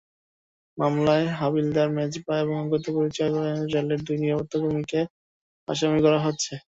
মামলায় হাবিলদার মেজবাহ এবং অজ্ঞাতপরিচয় রেলের দুই নিরাপত্তা কর্মীকে আসামি করা হচ্ছে।